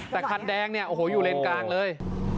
แต่คันแดงเนี่ยโอ้โหอยู่เลนกลางเลย